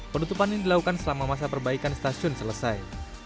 penutupan ini dilakukan selama masa perbaikan stasiun selesai